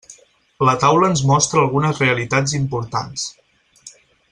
La taula ens mostra algunes realitats importants.